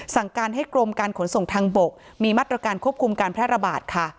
สั่งการให้กรมการขนส่งทางบกมีมาตรการควบคุมการแพร่ระบาดค่ะ